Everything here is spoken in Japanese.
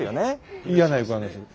嫌な予感がする。